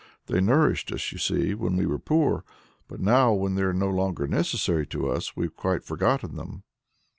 They nourished us, you see, when we were poor; but now, when they're no longer necessary to us, we've quite forgotten them!"